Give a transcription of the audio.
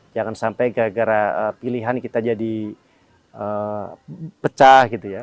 jangan sampai gara gara pilihan kita jadi pecah gitu ya